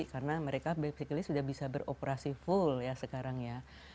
karena mereka basically sudah bisa beroperasi full ya sekarang ya